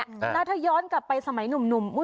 แล้วถ้าย้อนกลับไปสมัยหนุ่ม